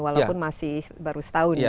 walaupun masih baru setahun ya